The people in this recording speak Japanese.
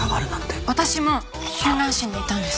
私も春蘭市にいたんです。